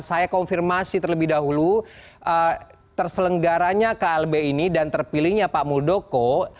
saya konfirmasi terlebih dahulu terselenggaranya klb ini dan terpilihnya pak muldoko